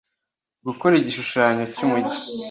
gukora igishushanyo cyumugi